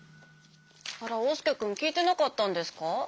あらおうすけくんきいてなかったんですか？